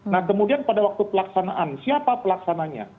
nah kemudian pada waktu pelaksanaan siapa pelaksananya